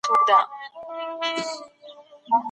دوی به د غوښتنو د مغلوبولو لپاره له صبر او زغم څخه ګټه اخیسته.